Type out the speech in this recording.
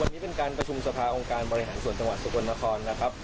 วันนี้เป็นการประชุมสภาองค์การบริหารส่วนจังหวัดสกลนครนะครับ